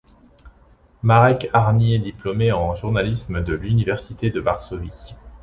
Marek Harny est diplômé en journalisme de l'Université de Varsovie.